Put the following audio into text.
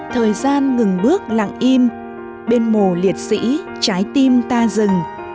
thời gian ngừng bước lặng im bên mồ liệt sĩ trái tim ta rừng